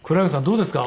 どうですか？